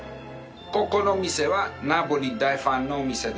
ここの店はナポリ大ファンの店です。